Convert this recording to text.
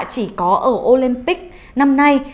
chỉ có ở olympic năm nay